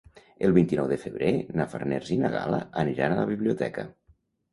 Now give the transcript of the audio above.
El vint-i-nou de febrer na Farners i na Gal·la aniran a la biblioteca.